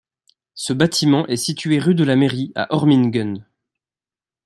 Ce bâtiment est situé rue de la Mairie à Oermingen.